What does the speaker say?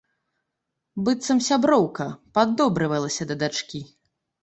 Быццам сяброўка, паддобрывалася да дачкі.